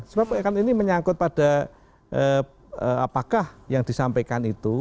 sebab ini menyangkut pada apakah yang disampaikan itu